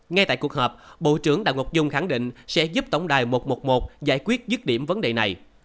ngay tại cuộc họp bộ trưởng đào ngọc dung khẳng định sẽ giúp tổng đài một trăm một mươi một giải quyết dứt điểm vấn đề này